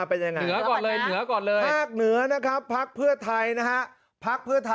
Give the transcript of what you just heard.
ภาคเหนือภาคเพื่อไทยได้๒๓เขต